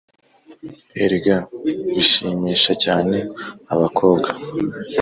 erega bishimisha cyane abakobwa